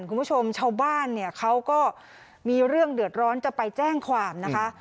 คุณผู้ชมชาวบ้านเนี่ยเขาก็มีเรื่องเดือดร้อนจะไปแจ้งความนะคะ